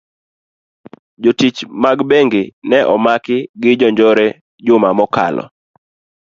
jotich mag bengi no ne omaki gi jonjore juma mokalo.